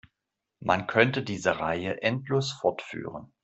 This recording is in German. Man könnte diese Reihe endlos fortführen.